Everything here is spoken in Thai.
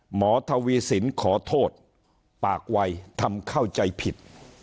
หมอทวีสินขอโทษปากวัยทำเข้าใจผิด